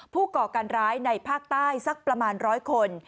ก่อการร้ายในภาคใต้สักประมาณ๑๐๐คน